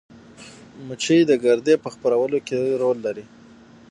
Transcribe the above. مچۍ د ګردې په خپرولو کې رول لري